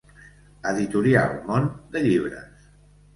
Editorial Món de Llibres.